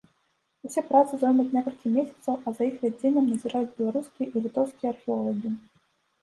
Усе працы зоймуць некалькі месяцаў, а за іх вядзеннем назіраюць беларускія і літоўскія археолагі.